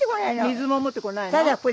水も持ってこないの？